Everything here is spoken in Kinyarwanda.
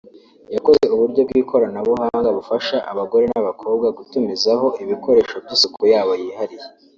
Yakoze uburyo bw’ikoranabuhanga bufasha abagore n’abakobwa gutumizaho ibikoresho by’isuku yabo yihariye